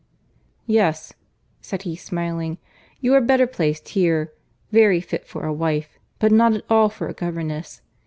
"Yes," said he, smiling. "You are better placed here; very fit for a wife, but not at all for a governess.